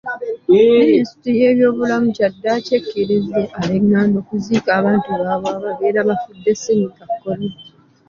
Minisitule y'ebyobulamu kyaddaaki ekkirizza ab'enganda okuziika abantu baabwe ababeera bafudde ssennyiga korona.